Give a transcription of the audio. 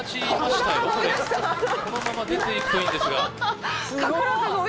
このまま出ていくといいんですが。